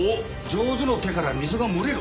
「上手の手から水が漏れる」！